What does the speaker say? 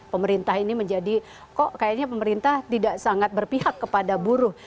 pemerintah ini menjadi kok kayaknya pemerintah tidak sangat berpihak kepada buruh